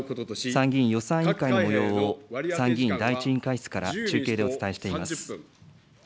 参議院予算委員会のもようを、参議院第１委員会室から中継でお伝えしています。